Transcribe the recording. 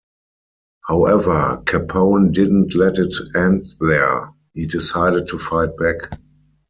However, Capone didn't let it end there; he decided to fight back.